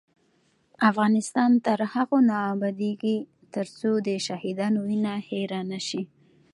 افغانستان تر هغو نه ابادیږي، ترڅو د شهیدانو وینه هیره نشي.